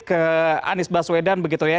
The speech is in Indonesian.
ke anies baswedan begitu ya